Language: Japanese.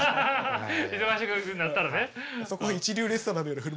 忙しくなったらね。